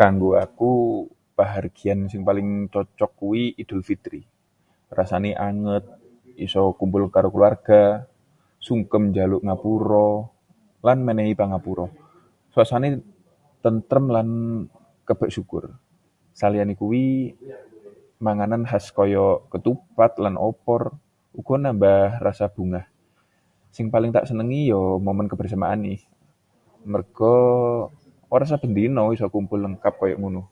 Kanggo aku, pahargyan sing paling cocok kuwi Idul Fitri. Rasane anget, iso kumpul karo kulawarga, sungkem njaluk ngapura lan menehi pangapura. Suasanane tentrem lan kebak syukur. Saliyane kuwi, manganan khas kaya ketupat lan opor uga nambah rasa bungah. Sing paling tak senengi ya momen kebersamaane, amarga ora saben dina iso ketemu lengkap kaya ngono.